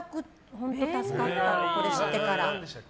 本当助かった、これ知ってから。